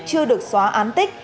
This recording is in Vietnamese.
ngọc chưa được xóa án tích